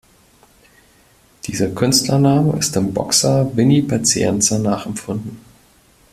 Dieser Künstlername ist dem Boxer "Vinny Pazienza" nachempfunden.